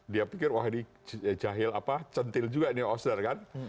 dia pikir wah ini jahil apa centil juga nih osdar kan